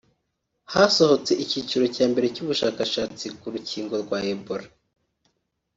hasohotse icyiciro cya mbere cy’ubushakashatsi ku rukingo rwa Ebola